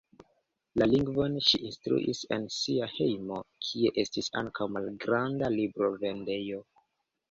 La lingvon ŝi instruis en sia hejmo, kie estis ankaŭ malgranda librovendejo.